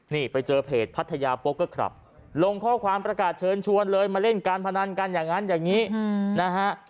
นี่ไปเจอเพจพัทยาปุ๊บก็ขับลงข้อความประกาศเชิญชวนเลยมาเล่นการพนันกันอย่างนั้นอย่างนี้นะฮะ